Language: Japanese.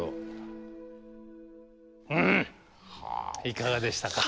うんいかがでしたか？